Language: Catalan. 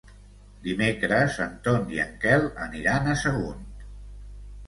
Dimecres en Ton i en Quel aniran a Sagunt.